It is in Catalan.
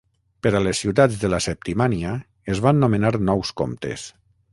Per a les ciutats de la Septimània es van nomenar nous comtes.